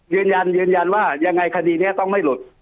ยืนยันว่ายังไงคดีนี้ต้องไม่หลุด